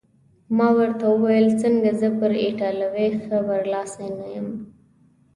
ما ورته وویل: څنګه، زه پر ایټالوي ښه برلاسی نه یم؟